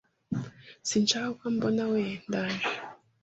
Sinshaka ko ambonawe ndaje.